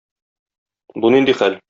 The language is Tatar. Бу нинди хәл?